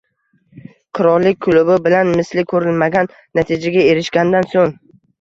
Qirollik klubi bilan misli ko‘rilmagan natijaga erishgandan so‘ng